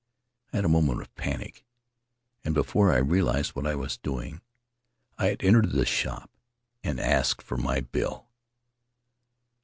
I had a moment of panic, and before I realized what I was doing I had entered the shop and had asked for my bill.